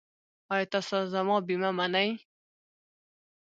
ایا تاسو زما بیمه منئ؟